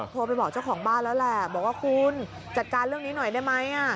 โทรไปบอกเจ้าของบ้านแล้วแหละบอกว่าคุณจัดการเรื่องนี้หน่อยได้ไหม